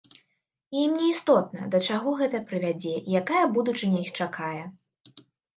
І ім не істотна, да чаго гэта прывядзе і якая будучыня іх чакае.